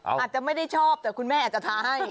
อาจจะไม่ได้ชอบแต่คุณแม่อาจจะท้าให้